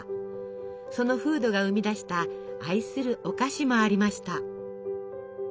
その風土が生み出した愛するお菓子もありました。